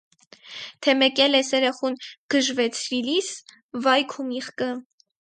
- Թե մեկէլ էս էրեխուն գժվեցրիլ իս, վա՛յ քու միխկը…